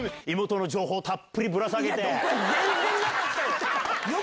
全然なかったよ！